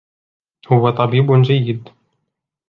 هو طبيبٌ جيّد.